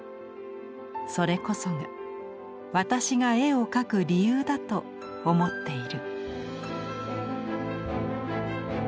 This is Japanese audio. それこそが私が絵を描く理由だと思っている」。